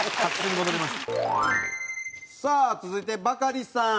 さあ続いてバカリさん。